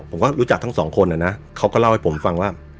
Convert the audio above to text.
ผมก็รู้จักทั้งสองคนนะเขาก็เล่าให้ผมฟังว่า